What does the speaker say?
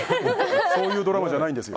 そういうドラマじゃないんです。